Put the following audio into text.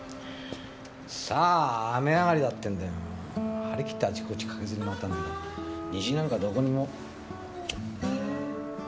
さぁ雨上がりだってんで張り切ってあちこち駆けずり回ったんだけど虹なんかどこにも。